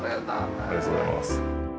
ありがとうございます。